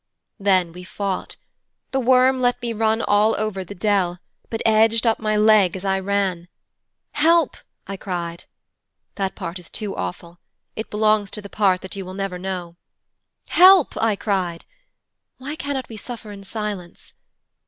Then we fought. The worm let me run all over the dell, but edged up my leg as I ran. 'Help!' I cried. (That part is too awful. It belongs to the part that you will never know.) 'Help!' I cried. (Why cannot we suffer in silence?)